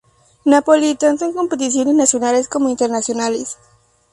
Napoli tanto en competencias nacionales como internacionales.